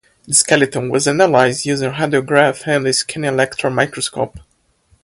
The skeleton was analyzed using radiography and a scanning electron microscope.